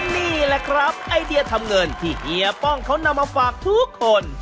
นี่แหละครับไอเดียทำเงินที่เฮียป้องเขานำมาฝากทุกคน